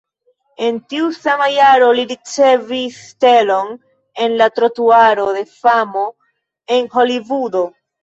En tiu sama jaro li ricevis stelon en la Trotuaro de famo en Holivudo.